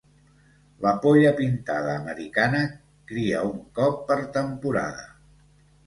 La polla pintada americana cria un cop per temporada.